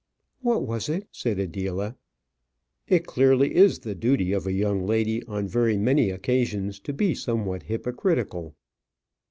"What was it?" said Adela. It clearly is the duty of a young lady on very many occasions to be somewhat hypocritical.